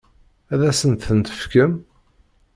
Ad asen-tent-tefkem?